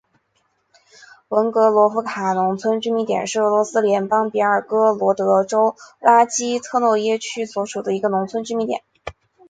文格罗夫卡农村居民点是俄罗斯联邦别尔哥罗德州拉基特诺耶区所属的一个农村居民点。